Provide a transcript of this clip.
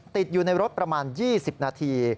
ติดอยู่ในรถประมาณ๒๐นาที